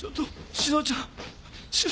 志乃ちゃん。